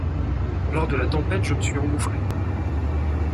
Lors de la tempête, je m’y suis engouffré.